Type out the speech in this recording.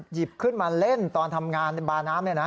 หยิบขึ้นมาเล่นตอนทำงานในบาน้ำ